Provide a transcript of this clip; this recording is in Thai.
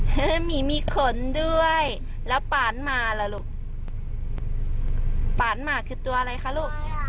เฮ้ยหมีมีขนด้วยแล้วปานมาล่ะลูกปานหมากคือตัวอะไรคะลูก